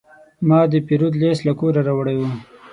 ما د پیرود لیست له کوره راوړی و.